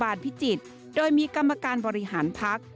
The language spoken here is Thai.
ประวัติบาลพิจิตรโดยมีกรรมการบริหารพักษณ์